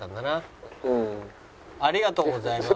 ありがとうございます。